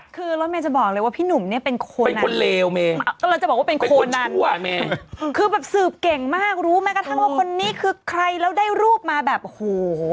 คือเราจะบอกเลยว่าพี่หนุ่มเนี่ยเป็นโคนั้นคือสืบเก่งมากรู้ไหมทั้งว่าคนนี้คือใครแล้วได้รูปมาแบบโห